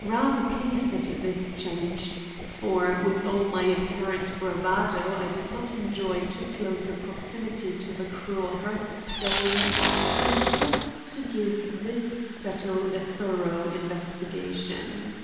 Rather pleased at this change, for with all my apparent bravado I did not enjoy too close a proximity to the cruel hearthstone, I stopped to give this settle a thorough investigation.